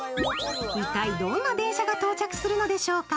一体、どんな電車が到着するのでしょうか？